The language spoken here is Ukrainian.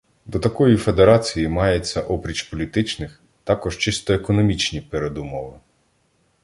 До такої федерації мається, опріч політичних, також чисто економічні передумови.